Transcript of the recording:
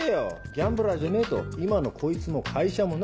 ギャンブラーじゃねえと今のこいつも会社もない。